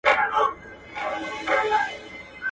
ما سپارلی د هغه مرستي ته ځان دی.